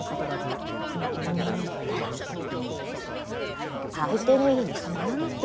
嫁に行ったら相手の家に染まらなきゃ。